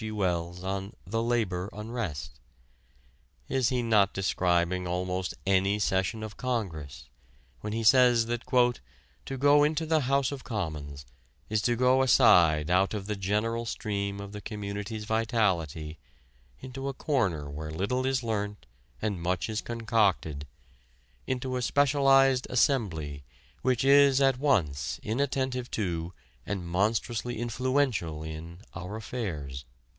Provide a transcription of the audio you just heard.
G. Wells on "The Labour Unrest." Is he not describing almost any session of Congress when he says that "to go into the House of Commons is to go aside out of the general stream of the community's vitality into a corner where little is learnt and much is concocted, into a specialized Assembly which is at once inattentive to and monstrously influential in our affairs?"